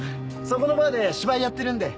そこのバーで芝居やってるんで。